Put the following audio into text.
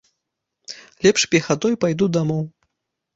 Лепш пехатой пайду дамоў.